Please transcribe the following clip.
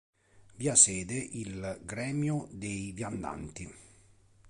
Vi ha sede il gremio dei viandanti.